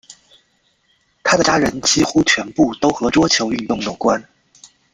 她的家人几乎全部都和桌球运动有关。